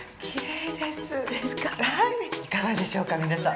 いかがでしょうか皆さん。